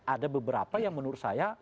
ada beberapa yang menurut saya